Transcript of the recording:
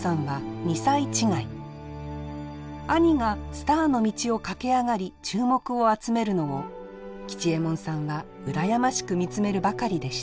兄がスターの道を駆け上がり注目を集めるのを吉右衛門さんは羨ましく見つめるばかりでした。